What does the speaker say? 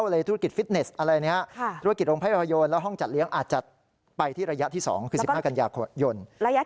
แล้วก็ระยะที่๓ก็คือ๓๐กัญญาโยน